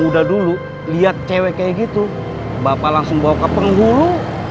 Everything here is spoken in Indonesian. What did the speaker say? udah dulu lihat cewek kayak gitu bapak langsung bawa ke penghulu